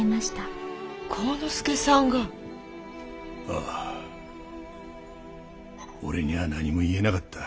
ああ俺には何も言えなかった。